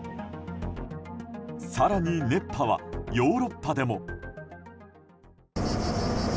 更に熱波はヨーロッパでも。